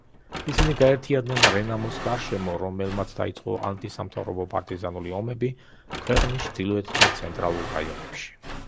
ისინი გაერთიანდნენ რენამოს გარშემო, რომელმაც დაიწყო ანტისამთავრობო პარტიზანული ომები ქვეყნის ჩრდილოეთ და ცენტრალურ რაიონებში.